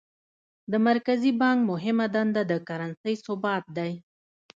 د مرکزي بانک مهمه دنده د کرنسۍ ثبات دی.